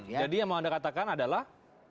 jadi yang mau anda katakan adalah